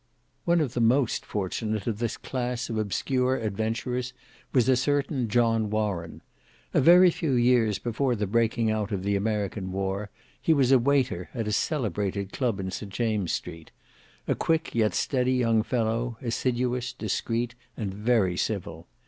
One of the most fortunate of this class of obscure adventurers was a certain John Warren. A very few years before the breaking out of the American war, he was a waiter at a celebrated club in St James's Street: a quick yet steady young fellow; assiduous, discreet, and very civil.